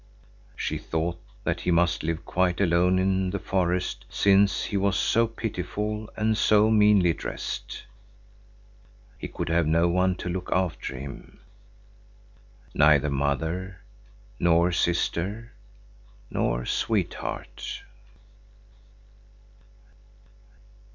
She thought that he must live quite alone in the forest since he was so pitiful and so meanly dressed. He could have no one to look after him, neither mother nor sister nor sweetheart.